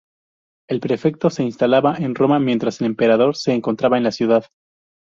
El prefecto se instalaba en Roma mientras el emperador se encontrase en la ciudad.